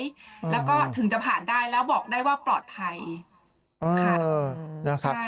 แล้วก็ถึงจะผ่านได้แล้วบอกได้ว่าปลอดภัย